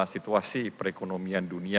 situasi perekonomian dunia